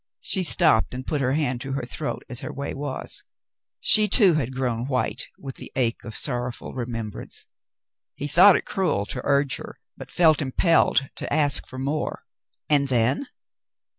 She stopped and put her hand to her throat, as her way was. She too had grown white with the ache of sorrowful remem 110 The Mountain Girl brance. He thought it cruel to urge her, but felt impelled to ask for more. "And then?"